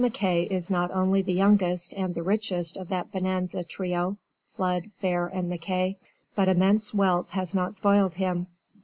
MacKay is not only the youngest and the richest of that bonanza trio Flood, Fair and MacKay but immense wealth has not spoiled him.